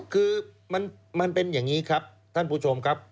คือมันเป็นอย่างนี้ครับท่านผู้ชมครับ